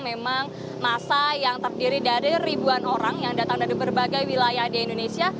memang masa yang terdiri dari ribuan orang yang datang dari berbagai wilayah di indonesia